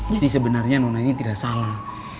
jadi sebenarnya nona ini tidak salah